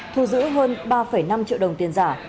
thu giữ hơn ba năm triệu đồng tiền giả